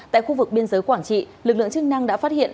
tại khu vực biên giới quảng trị lực lượng chức năng đã phát hiện